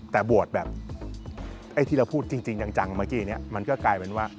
แต่บวชแบบไอ้ที่เราพูดจริงจังเมื่อกี้เนี่ยมันก็กลายเป็นว่า